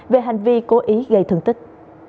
về hành vi cố ý gây thương tích